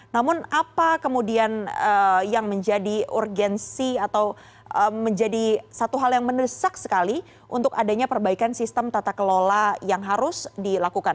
namun apa kemudian yang menjadi urgensi atau menjadi satu hal yang mendesak sekali untuk adanya perbaikan sistem tata kelola yang harus dilakukan